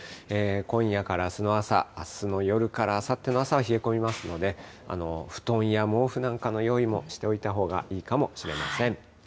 今夜からあすの朝、あすの夜からあさっての朝は冷え込みますので、布団や毛布なんかの用意もしておいたほうがいいかもしれません。